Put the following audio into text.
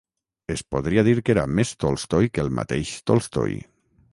Es podria dir que era més Tolstoi que el mateix Tolstoi.